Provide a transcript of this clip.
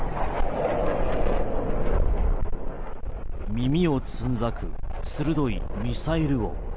耳をつんざく鋭いミサイル音。